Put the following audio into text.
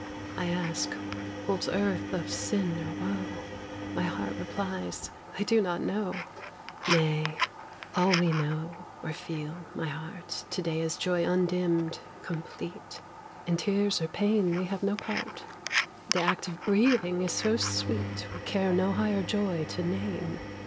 I ask, "Holds earth of sin, or woe?" My heart replies, "I do not know." Nay! all we know, or feel, my heart, To day is joy undimmed, complete; In tears or pain we have no part; The act of breathing is so sweet, We care no higher joy to name.